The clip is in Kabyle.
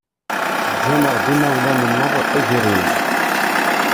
Ǧǧan-aɣ-d yimawlan-nneɣ agerruj.